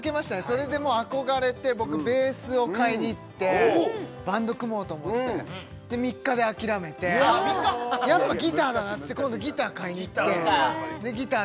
それで憧れて僕ベースを買いにいってバンド組もうと思ってで３日で諦めてやっぱギターだなっつって今度ギター買いにいってギター